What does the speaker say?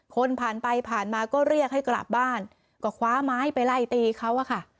คนผ่านไปผ่านมาก็เรียกให้กลับบ้านก็คว้าไม้ไปไล่ตีเขาอะค่ะ